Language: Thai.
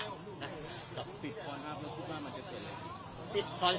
ติดควรแล้วสุขว่ามันจะเกิดอะไร